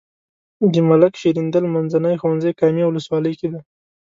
د ملک شیریندل منځنی ښوونځی کامې ولسوالۍ کې دی.